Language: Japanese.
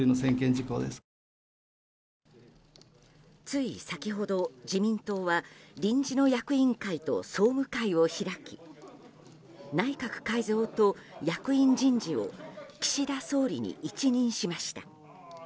つい先ほど自民党は臨時の役員会と総務会を開き内閣改造と役員人事を岸田総理に一任しました。